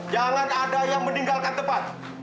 jangan ada yang meninggalkan tempat